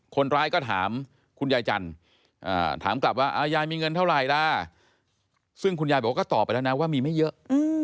คนร้ายก็ถามคุณยายจันทร์ถามกลับว่ายายมีเงินเท่าไหร่ล่ะซึ่งคุณยายบอกว่าก็ตอบไปแล้วนะว่ามีไม่เยอะ